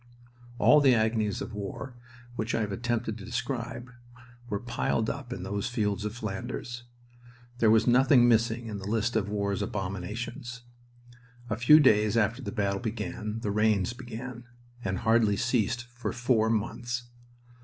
All the agonies of war which I have attempted to describe were piled up in those fields of Flanders. There was nothing missing in the list of war's abominations. A few days after the battle began the rains began, and hardly ceased for four months.